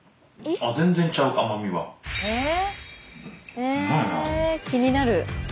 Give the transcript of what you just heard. え気になる！